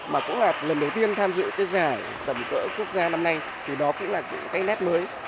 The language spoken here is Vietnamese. mà cũng là lần đầu tiên tham dự cái giải tầm cỡ quốc gia năm nay thì đó cũng là những cái nét mới